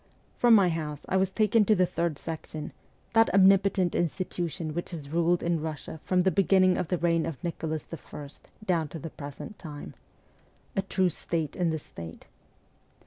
From my house I was taken to the Third Section, ST. PETERSBURG 129 that omnipotent institution which has ruled in Eussia from the beginning of the reign of Nicholas I. down to the present time a true 'state in the state.'